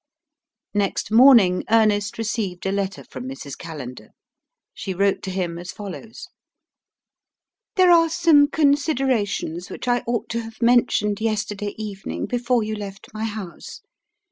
Next morning Ernest received a letter from Mrs. Callender. She wrote to him as follows: "There are some considerations which I ought to have mentioned yesterday evening, before you left my house.